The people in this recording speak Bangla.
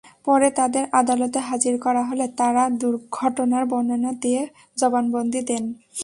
পরে তাঁদের আদালতে হাজির করা হলে তাঁরা ঘটনার বর্ণনা দিয়ে জবানবন্দি দেন।